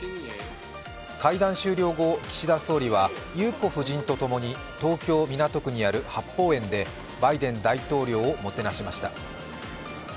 会談終了後、岸田総理は裕子夫人とともに東京・港区にある八芳園でバイデン大統領をもてなしました。